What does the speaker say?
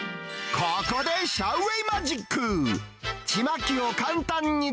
ここでシャウ・ウェイマジック。